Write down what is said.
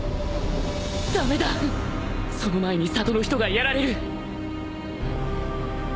駄目だその前に里の人がやられるハッハッ。